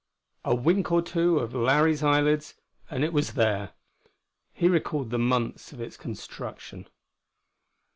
A wink or two of Larry's eyelids and it was there. He recalled the months of its construction.